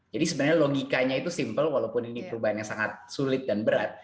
jadi sebenarnya logikanya itu simpel walaupun ini perubahannya sangat sulit dan berat